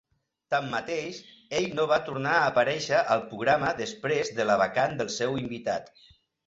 Tanmateix, ell no va tornar a aparèixer al programa després de la vacant del seu invitat.